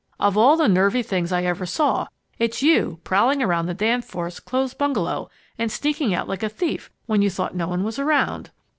"Of all the nervy things I ever saw, it's you prowling around the Danforths' closed bungalow and sneaking out like a thief when you thought no one was around!"